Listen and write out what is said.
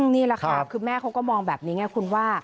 นี่แหละค่ะคือแม่เขาก็มองแบบนี้ไงคุณว่า